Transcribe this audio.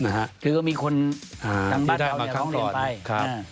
คือมีคนทำบรรทาวน์เรียนร้องเรียนไป